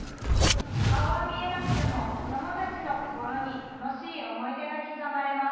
顔は見えなくても、子どもたちの心に楽しい思い出が刻まれます。